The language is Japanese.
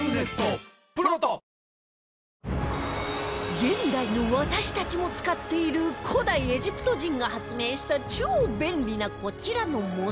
現代の私たちも使っている古代エジプト人が発明した超便利なこちらのもの